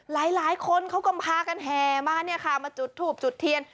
หลายคนเขากำพากันแหมามาจุดถูกจุดเทียน